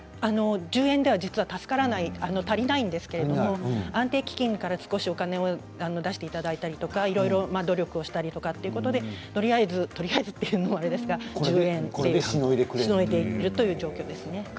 １０円では助からないんですけれども安定基金からお金を少し出していただいたりとか、いろいろ努力をしたりということで、とりあえずというのもあれですが１０円ということでしのいでいるという状況です。